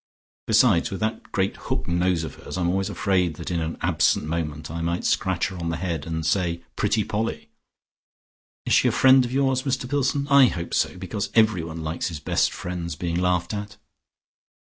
Besides with that great hook nose of hers, I'm always afraid that in an absent moment I might scratch her on the head and say 'Pretty Polly.' Is she a great friend of yours, Mr Pillson? I hope so, because everyone likes his best friends being laughed at."